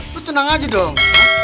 lo tenang aja dong